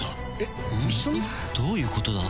どういうことだ？